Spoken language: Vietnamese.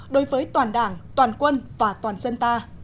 đối với toàn đảng toàn quân và toàn dân ta